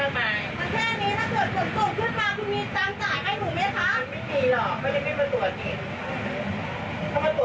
ไม่เคยกลัวค่ะไม่เคยกลัวค่ะไม่เคยกลัวค่ะ